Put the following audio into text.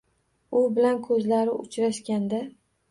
U bilan ko‘zlari uchrashganda.